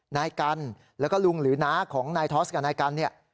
นายกันแล้วก็ลุงหรือน้าของนายทอสกับนายกันเนี่ย